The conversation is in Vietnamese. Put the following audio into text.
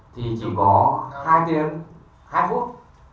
thì chỉ có hai tiếng hai phút